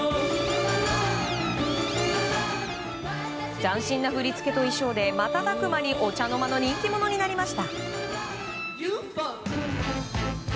斬新な振り付けと衣装で瞬く間にお茶の間の人気者になりました。